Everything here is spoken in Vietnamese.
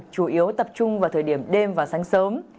chủ yếu tập trung vào thời điểm đêm và sáng sớm